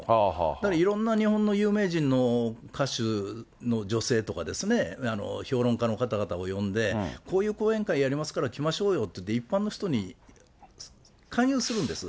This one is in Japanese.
だからいろんな日本の有名人の歌手の女性とかですね、評論家の方々を呼んで、こういう講演会やりますから来ましょうよって言って、一般の人に勧誘するんです。